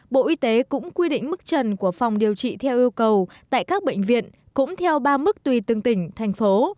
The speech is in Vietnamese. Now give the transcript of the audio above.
bộ y tế cũng quy định mức trần của phòng điều trị theo yêu cầu tại các bệnh viện cũng theo ba mức tùy từng tỉnh thành phố